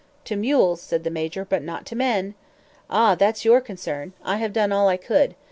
"To mules," said the Major, "but not to men." "Ah, that's your concern; I have done all I could.